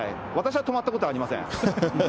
私は泊まったことはありません。